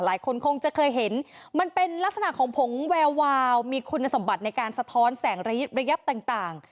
หลายคนคงจะเคยเห็นมันเป็นลักษณะของผงแวววาวมีคุณสมบัติในการสะท้อนแสงระยับต่าง